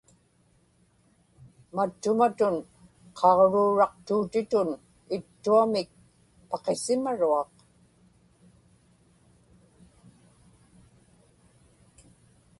mattumatun qaġruuraqtuutitun ittuamik paqisimaruaq